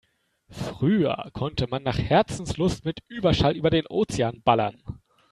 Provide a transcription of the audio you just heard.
Früher konnte man nach Herzenslust mit Überschall über den Ozean ballern.